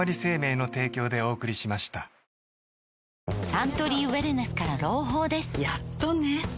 サントリーウエルネスから朗報ですやっとね